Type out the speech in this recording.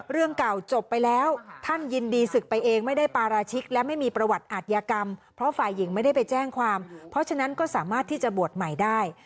เรื่องเก่าจบไปแล้วท่านยินดีศึกไปเองไม่ได้ปาราชิกและไม่มีประวัติอาทยากรรมเพราะฝ่ายหญิงไม่ได้ไปแจ้งความเพราะฉะนั้นก็สามารถที่จะบวชใหม่ได้